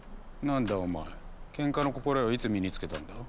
なんだお前ケンカの心得をいつ身につけたんだ？